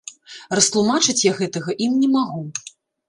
Растлумачыць я гэтага ім не магу.